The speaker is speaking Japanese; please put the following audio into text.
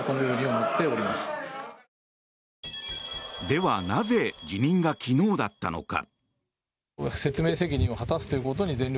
では、なぜ辞任が昨日だったのか。